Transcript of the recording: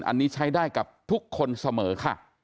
อันนี้ใช้ได้กับทุกคนเสมอค่ะ